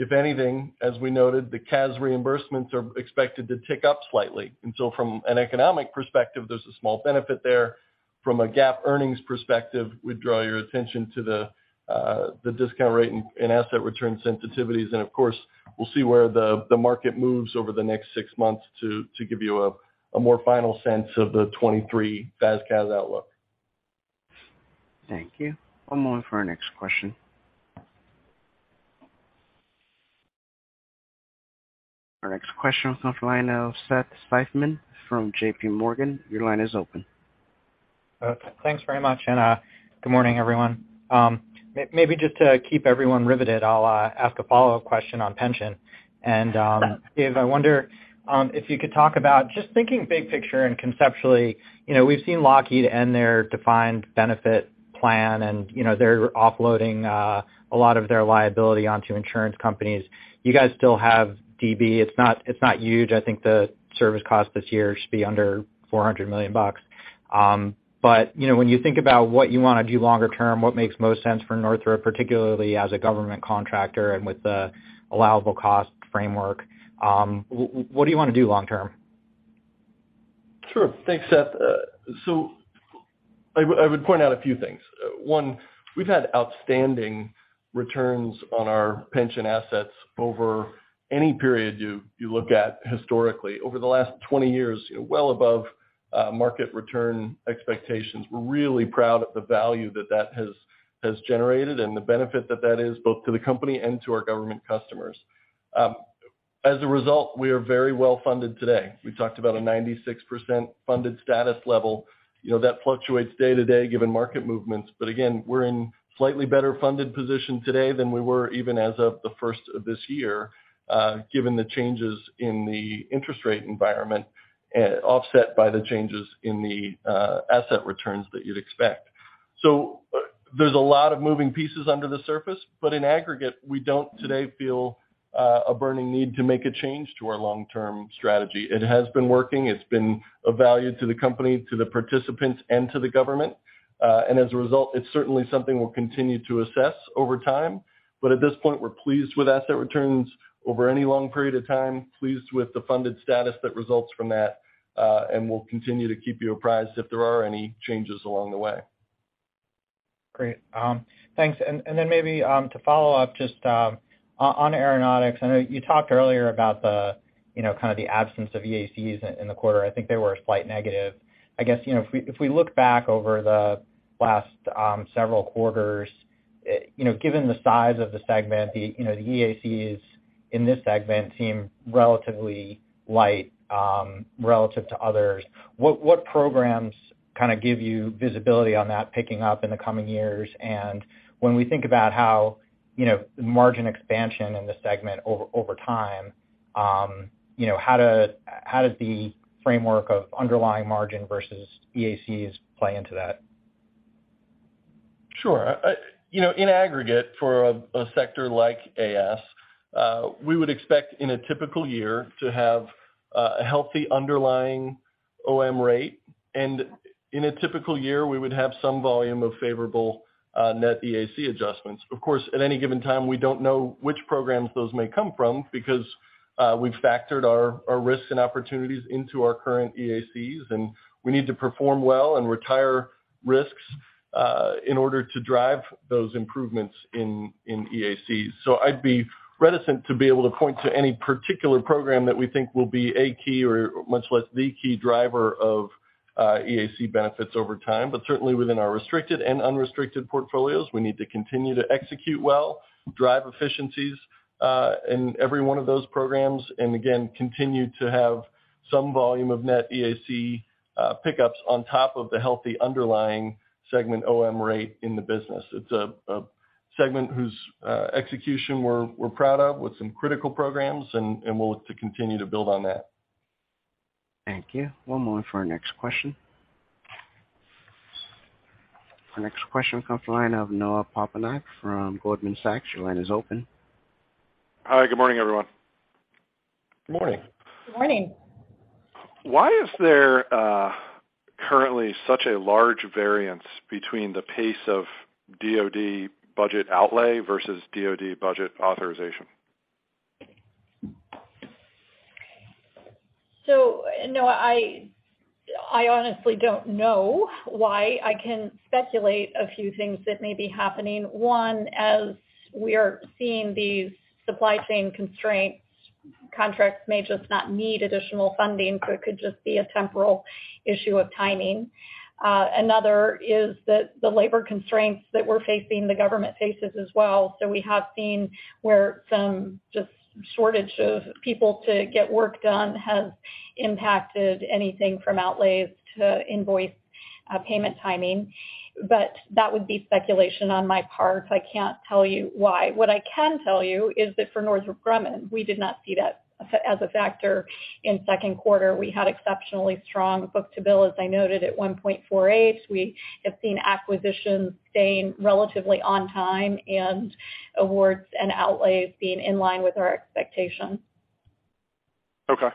If anything, as we noted, the CAS reimbursements are expected to tick up slightly. From an economic perspective, there's a small benefit there. From a GAAP earnings perspective, we draw your attention to the discount rate and asset return sensitivities. Of course, we'll see where the market moves over the next six months to give you a more final sense of the 2023 FAS/CAS outlook. Thank you. One moment for our next question. Our next question comes from the line of Seth Seifman from JPMorgan. Your line is open. Thanks very much. Good morning, everyone. Maybe just to keep everyone riveted, I'll ask a follow-up question on pension. Dave, I wonder if you could talk about just thinking big picture and conceptually, you know, we've seen Lockheed end their defined benefit plan and, you know, they're offloading a lot of their liability onto insurance companies. You guys still have DB. It's not huge. I think the service cost this year should be under $400 million. But you know, when you think about what you wanna do longer term, what makes most sense for Northrop, particularly as a government contractor and with the allowable cost framework, what do you wanna do long term? Sure. Thanks, Seth. I would point out a few things. One, we've had outstanding returns on our pension assets over any period you look at historically. Over the last 20 years, well above market return expectations. We're really proud of the value that has generated and the benefit that is both to the company and to our government customers. As a result, we are very well funded today. We talked about a 96% funded status level. You know, that fluctuates day to day given market movements. Again, we're in slightly better funded position today than we were even as of the first of this year, given the changes in the interest rate environment offset by the changes in the asset returns that you'd expect. There's a lot of moving pieces under the surface, but in aggregate, we don't today feel a burning need to make a change to our long-term strategy. It has been working. It's been of value to the company, to the participants, and to the government. As a result, it's certainly something we'll continue to assess over time. At this point, we're pleased with asset returns over any long period of time, pleased with the funded status that results from that, and we'll continue to keep you apprised if there are any changes along the way. Great. Thanks. Then maybe to follow up, just on aeronautics. I know you talked earlier about the, you know, kind of the absence of EACs in the quarter. I think they were a slight negative. I guess, you know, if we look back over the last several quarters, given the size of the segment, the, you know, the EACs in this segment seem relatively light relative to others. What programs kind of give you visibility on that picking up in the coming years? When we think about how, you know, margin expansion in the segment over time, you know, how did the framework of underlying margin versus EACs play into that? Sure. You know, in aggregate for a sector like A&D, we would expect in a typical year to have a healthy underlying OM rate. In a typical year, we would have some volume of favorable net EAC adjustments. Of course, at any given time, we don't know which programs those may come from because we've factored our risks and opportunities into our current EACs, and we need to perform well and retire risks in order to drive those improvements in EAC. I'd be reticent to be able to point to any particular program that we think will be a key or much less the key driver of EAC benefits over time. Certainly within our restricted and unrestricted portfolios, we need to continue to execute well, drive efficiencies, in every one of those programs, and again, continue to have some volume of net EAC pickups on top of the healthy underlying segment OM rate in the business. It's a segment whose execution we're proud of with some critical programs, and we'll look to continue to build on that. Thank you. One moment for our next question. Our next question comes from the line of Noah Poponak from Goldman Sachs. Your line is open. Hi, good morning, everyone. Good morning. Good morning. Why is there currently such a large variance between the pace of DoD budget outlay versus DoD budget authorization? Noah Poponak, I honestly don't know why. I can speculate a few things that may be happening. One, as we are seeing these supply chain constraints, contracts may just not need additional funding, so it could just be a temporal issue of timing. Another is that the labor constraints that we're facing, the government faces as well. We have seen where some just shortage of people to get work done has impacted anything from outlays to invoice, payment timing. But that would be speculation on my part. I can't tell you why. What I can tell you is that for Northrop Grumman, we did not see that as a factor in second quarter. We had exceptionally strong book-to-bill, as I noted, at 1.48. We have seen acquisitions staying relatively on time and awards and outlays being in line with our expectations. Okay.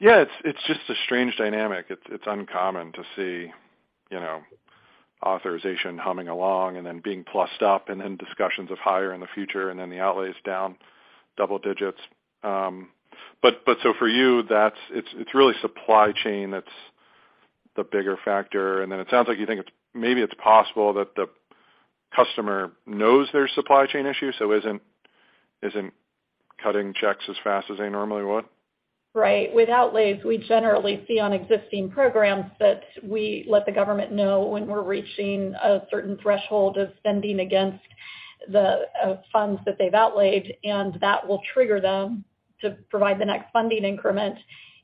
Yeah, it's just a strange dynamic. It's uncommon to see, you know, authorization humming along and then being plussed up and then discussions of higher in the future, and then the outlays down double digits. For you, that's really supply chain that's the bigger factor. It sounds like you think it's maybe possible that the customer knows there's supply chain issues, so isn't cutting checks as fast as they normally would. Right. With outlays, we generally see on existing programs that we let the government know when we're reaching a certain threshold of spending against the funds that they've outlaid, and that will trigger them to provide the next funding increment.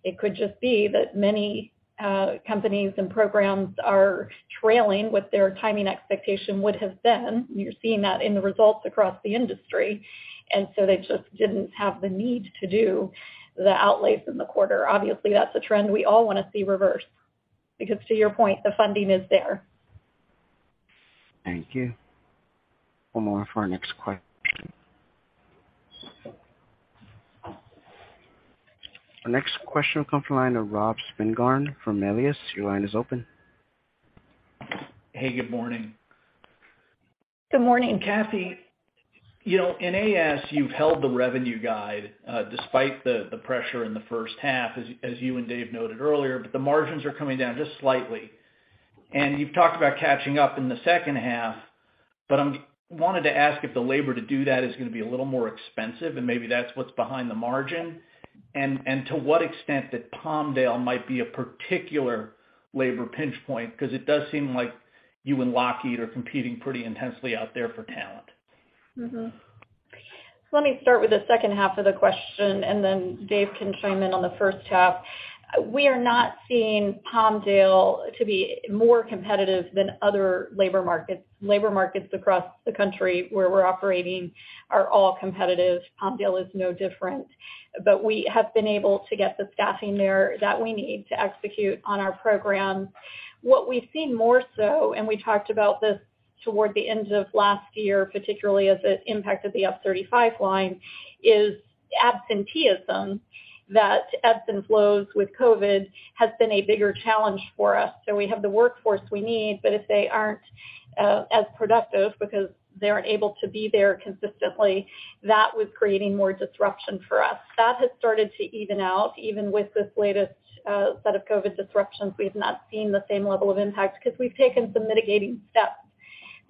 It could just be that many companies and programs are trailing what their timing expectation would have been. You're seeing that in the results across the industry. They just didn't have the need to do the outlays in the quarter. Obviously, that's a trend we all wanna see reversed because to your point, the funding is there. Thank you. One more for our next question. Our next question will come from the line of Rob Spingarn from Melius Research. Your line is open. Hey, good morning. Good morning. Kathy, you know, in AS you've held the revenue guide despite the pressure in the H1 as you and Dave noted earlier, but the margins are coming down just slightly. You've talked about catching up in theH2, but I wanted to ask if the labor to do that is gonna be a little more expensive, and maybe that's what's behind the margin. To what extent that Palmdale might be a particular labor pinch point, because it does seem like you and Lockheed are competing pretty intensely out there for talent. Let me start with the H2 of the question, and then Dave can chime in on the H1. We are not seeing Palmdale to be more competitive than other labor markets. Labor markets across the country where we're operating are all competitive. Palmdale is no different. We have been able to get the staffing there that we need to execute on our program. What we've seen more so, and we talked about this toward the end of last year, particularly as it impacted the F-35 line, is absenteeism that ebbs and flows with COVID, has been a bigger challenge for us. We have the workforce we need, but if they aren't as productive because they aren't able to be there consistently, that was creating more disruption for us. That has started to even out. Even with this latest, set of COVID disruptions, we've not seen the same level of impact because we've taken some mitigating steps.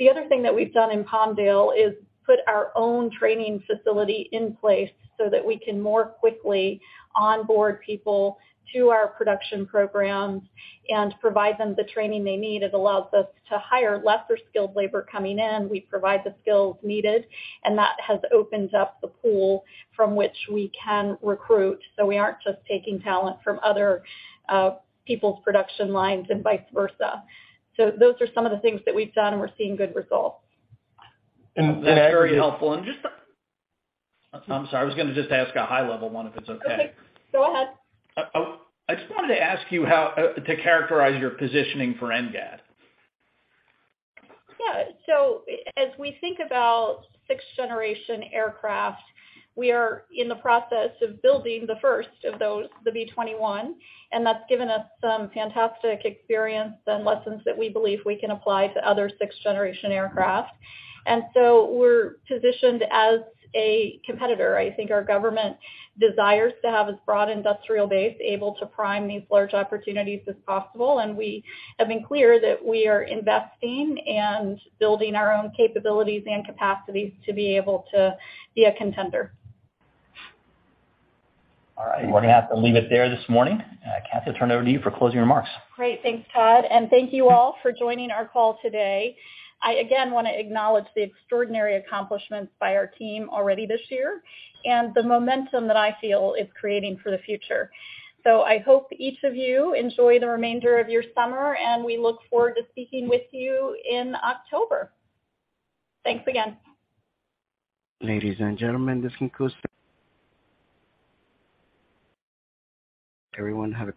The other thing that we've done in Palmdale is put our own training facility in place so that we can more quickly onboard people to our production programs and provide them the training they need. It allows us to hire lesser skilled labor coming in. We provide the skills needed, and that has opened up the pool from which we can recruit. We aren't just taking talent from other, people's production lines and vice versa. Those are some of the things that we've done, and we're seeing good results. That's very helpful. I'm sorry, I was gonna just ask a high-level one if it's okay. Okay, go ahead. I just wanted to ask you how to characterize your positioning for NGAD. Yeah. As we think about sixth-generation aircraft, we are in the process of building the first of those, the B-21, and that's given us some fantastic experience and lessons that we believe we can apply to other sixth-generation aircraft. We're positioned as a competitor. I think our government desires to have as broad industrial base able to prime these large opportunities as possible, and we have been clear that we are investing and building our own capabilities and capacities to be able to be a contender. All right. We're gonna have to leave it there this morning. Kathy, I turn it over to you for closing remarks. Great. Thanks, Todd. Thank you all for joining our call today. I again wanna acknowledge the extraordinary accomplishments by our team already this year and the momentum that I feel is creating for the future. I hope each of you enjoy the remainder of your summer, and we look forward to speaking with you in October. Thanks again. Ladies and gentlemen, this concludes. Everyone have a great day.